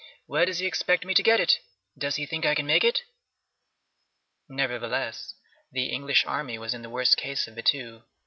Where does he expect me to get it? Does he think I can make it?" Nevertheless, the English army was in the worse case of the two.